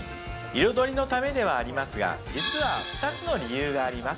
彩りのためではありますが、実は二つの理由があります。